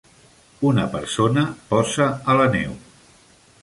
Una persona posa en la neu.